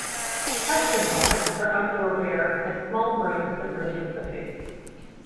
Fashion Bonnets for outdoor wear had small brims that revealed the face.